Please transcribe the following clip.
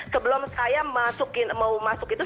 sebelum saya masukin mau masuk itu